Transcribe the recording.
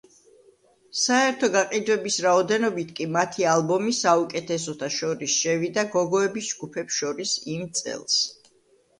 საერთო გაყიდვების რაოდენობით კი მათი ალბომი საუკეთესოთა შორის შევიდა გოგოების ჯგუფებს შორის იმ წელს.